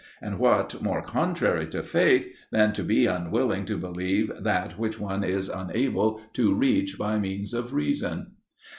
and, what more contrary to Faith, than to be unwilling to believe that which one is unable to reach by means of Reason?"